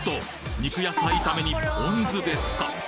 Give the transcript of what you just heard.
肉野菜炒めにポン酢ですか？